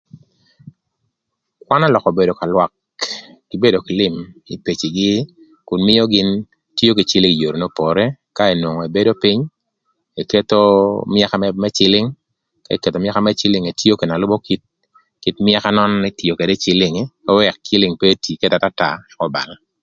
Kwan ölökö bedo ka lwak kï bedo kï lïm ï pecigï kun mïö gïn tio kï cïlïng ï yoo n'opore ka enwongo ebedo pïny eketho mwëka më cïlïng ka eketho myëka ka më cïlïng etio ködë na lübö kit myëka nön n'etio ködë ï cïlïng nï ëk cïlïng pe etii ködë atata ëk cïlïng kür obal.